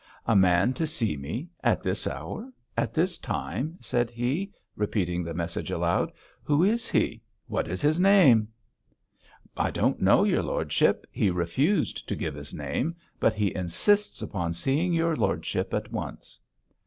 'A man to see me at this hour at this time,' said he, repeating the message aloud. 'Who is he? What is his name?' 'I don't know, your lordship. He refused to give his name, but he insists upon seeing your lordship at once.'